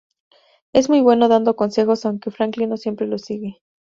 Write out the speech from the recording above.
Es muy bueno dando consejos, aunque Franklin no siempre los sigue.